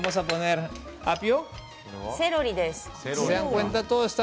セロリです。